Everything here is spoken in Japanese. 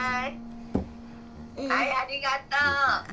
はいありがとう。